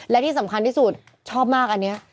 และที่สำคัญที่สุดชอบมากอันนี้